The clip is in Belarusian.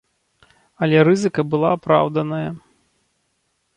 Але рызыка была апраўданая.